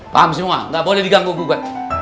paham semua nggak boleh diganggu gugat